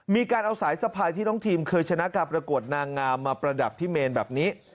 มีการเอาสายสะพายที่น้องทีมเคยชนะการประกวดนางงามมาประดับที่เมนแบบนี้